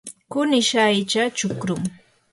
kunish aycha chukrum.